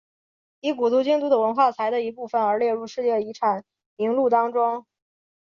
以古都京都的文化财的一部分而列入世界遗产名录当中。